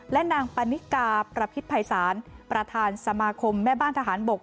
และนางปณิกาประพิษภัยศาลประธานสมาคมแม่บ้านทหารบก